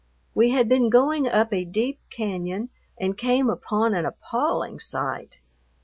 We had been going up a deep cañon and came upon an appalling sight.